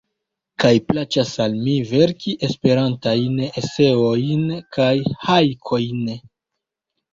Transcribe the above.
Kaj plaĉas al mi verki Esperantajn eseojn kaj hajkojn.